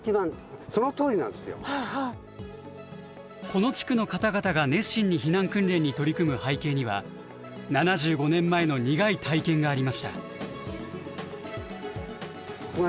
この地区の方々が熱心に避難訓練に取り組む背景には７５年前の苦い体験がありました。